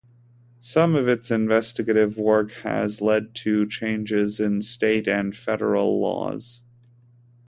Some of its investigative work has led to changes in state and federal laws.